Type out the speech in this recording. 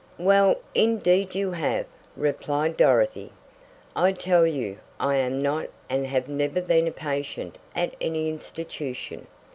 "Well, indeed you have," replied Dorothy. "I tell you I am not and have never been a patient at any institution.